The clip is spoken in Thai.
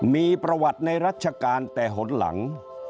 มีประวัติในรัชกาลแต่หนหลัง